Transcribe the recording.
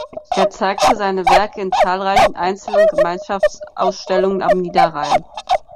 Er zeigte seine Werke in zahlreichen Einzel- und Gemeinschaftsausstellungen am Niederrhein.